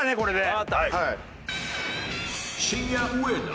わかった。